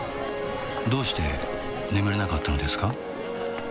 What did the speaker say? どうして眠れなかったのですか？